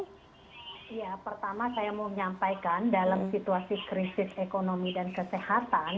ya pertama saya mau menyampaikan dalam situasi krisis ekonomi dan kesehatan